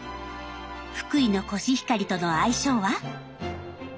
福井のコシヒカリとの相性は？